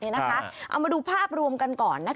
เอามาดูภาพรวมกันก่อน